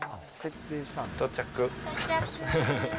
到着！